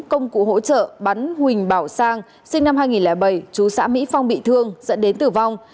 công cụ hỗ trợ bắn huỳnh bảo sang sinh năm hai nghìn bảy chú xã mỹ phong bị thương dẫn đến tử vong